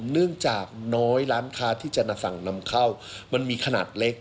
เนื่องจากน้อยร้านค้าที่จะมาสั่งนำเข้ามันมีขนาดเล็ก